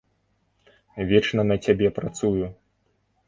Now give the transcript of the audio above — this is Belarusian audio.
Вечна на цябе працую.